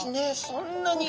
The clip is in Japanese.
そんなに。